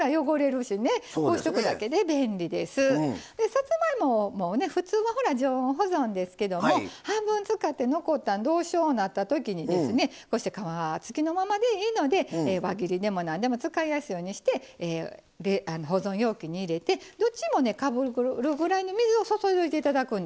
さつまいももね普通は常温保存ですけども半分使って残ったんどうしようなった時にですねこうして皮付きのままでいいので輪切りでも何でも使いやすいようにして保存容器に入れてどっちもねかぶるぐらいの水を注いどいて頂くんですね。